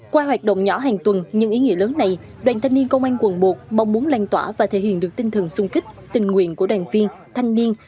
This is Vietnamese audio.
qua hoạt động nhỏ hàng tuần nhưng ý nghĩa lớn này đoàn thanh niên công an quận một mong muốn lan tỏa và thể hiện được tinh thần sung kích tình nguyện của đoàn viên thanh niên